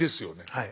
はい。